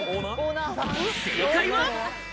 正解は。